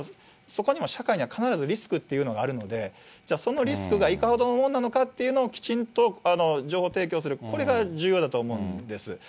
そこにも社会には必ずリスクというのがあるので、じゃあ、そのリスクがいかほどのもんなのかということを、きちんと情報提供する、これが重要だと思うんです。